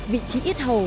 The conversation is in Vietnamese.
vị trí ít hầu